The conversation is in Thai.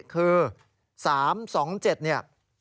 คือ๓๒๗เนี่ย